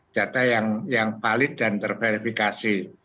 data yang valid dan terverifikasi